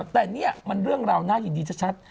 แต่นี่มันเรื่องราวน่ายินดีชัด